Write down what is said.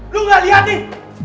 lo gak liat nih